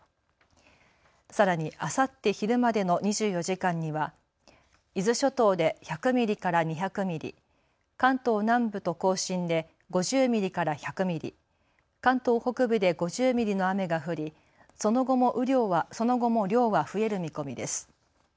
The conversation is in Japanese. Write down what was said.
さらにあさって昼までの２４時間には伊豆諸島で１００ミリから２００ミリ、関東南部と甲信で５０ミリから１００ミリ、関東北部で５０ミリの雨が降りその後も量は増える見込みです。